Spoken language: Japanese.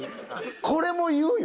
これも言うよ。